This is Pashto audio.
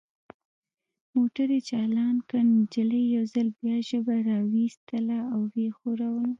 موټر یې چالان کړ، نجلۍ یو ځل بیا ژبه را وایستل او ویې ښوروله.